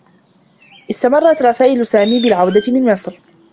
استمرّت رسائل سامي بالعودة من مصر.